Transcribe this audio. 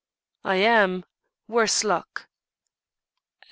"I am worse luck."